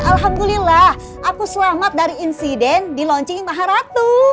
alhamdulillah aku selamat dari insiden di launching maha ratu